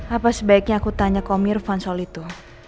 apa sebaiknya aku tanya ke om irvan soal itu